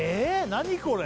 何これ？